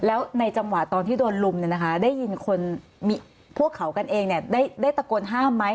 แล้วในจังหวะตอนที่โดนลุมเนี่ยนะคะได้ยินคนพวกเขากันเองได้ตะโกนห้ามไหม